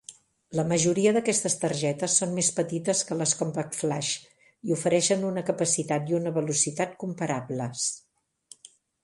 La majoria d'aquestes targetes són més petites que les CompactFlash i ofereixen una capacitat i una velocitat comparables.